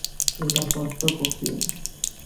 এটা বড্ড কঠিন।